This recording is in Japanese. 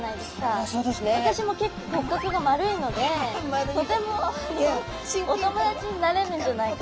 あそうですね。私も結構骨格が丸いのでとてもお友達になれるんじゃないかな。